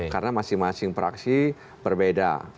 karena masing masing praksi berbeda